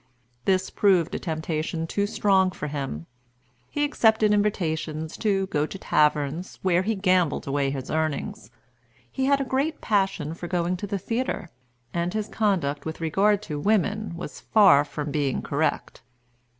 This proved a temptation too strong for him. He accepted invitations to go to taverns, where he gambled away his earnings. He had a great passion for going to the theatre; and his conduct with regard to women was far from being correct.